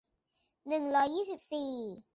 หนึ่งร้อยยี่สิบสี่